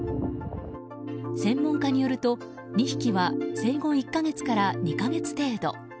専門家によると２匹は生後１か月から２か月程度。